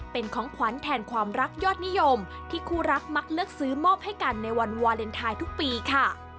เป็นของขวัญแทนความรักยอดนิยมที่คู่รักมักเลือกซื้อมอบให้กันในวันวาเลนไทยทุกปีค่ะ